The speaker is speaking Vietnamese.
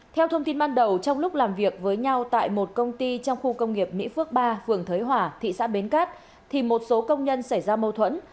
theo thông tin ban đầu trong lúc làm việc với nhau tại một công ty trong khu công nghiệp mỹ phước ba phường thới hỏa thị xã bến cát thì một số công nhân xảy ra mâu thuẫn